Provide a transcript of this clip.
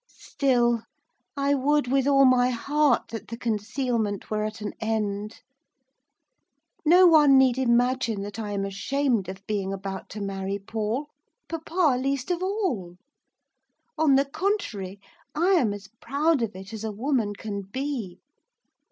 Still, I would with all my heart that the concealment were at an end. No one need imagine that I am ashamed of being about to marry Paul, papa least of all. On the contrary, I am as proud of it as a woman can be.